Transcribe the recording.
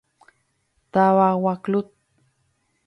Tavagua club.